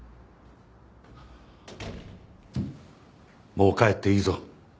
もう帰っていいぞ。